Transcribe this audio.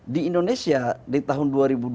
di indonesia di tahun dua ribu dua puluh